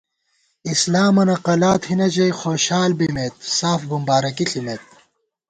اِسلامَنہ قَلا تھنہ ژَئی خوشال بِمېت، ساف بُمبارَکی ݪِمېت